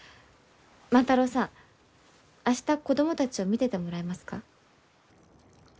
万太郎さん明日子供たちを見ててもらえますか？